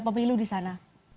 bapak ilu di sana